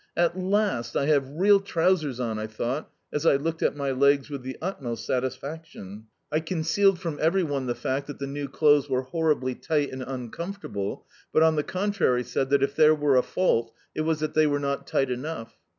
"At last I have real trousers on!" I thought as I looked at my legs with the utmost satisfaction. I concealed from every one the fact that the new clothes were horribly tight and uncomfortable, but, on the contrary, said that, if there were a fault, it was that they were not tight enough.